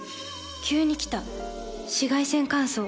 急に来た紫外線乾燥。